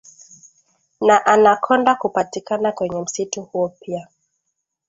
na Anacconda kupatikana kwenye msitu huo pia